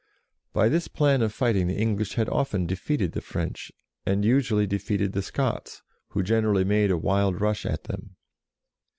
By this plan of fighting the English had often defeated the French, and usually defeated the Scots, who generally made a wild rush at them.